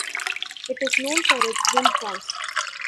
It is known for its wind farms.